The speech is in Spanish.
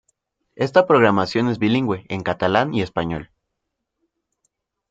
Esta programación es bilingüe, en catalán y español.